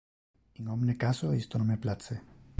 In omne caso, isto non me place.